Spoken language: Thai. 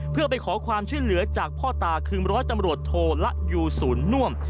เพื่อไปขอความช่วยเหลือจากพ่อตาคือร้อยตำรวจโทละยูศูนย์น่วม